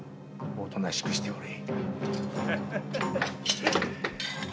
おとなしくしておれ。